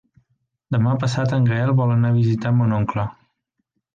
Demà passat en Gaël vol anar a visitar mon oncle.